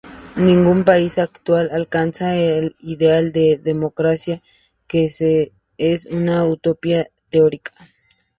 Ningún país actual alcanza el ideal de democracia, que es una utopía teórica.